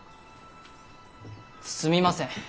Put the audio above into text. すみません。